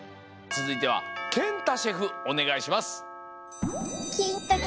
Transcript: つづいてはけんたシェフおねがいします！